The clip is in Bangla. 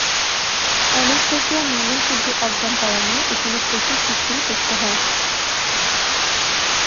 অ্যানেসথেসিয়া মানেই শুধু অজ্ঞান করা নয়, এখানে পেশি শিথিল করতে হয়।